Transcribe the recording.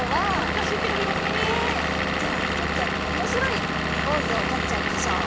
じゃあちょっとおもしろいポーズをとっちゃいましょう。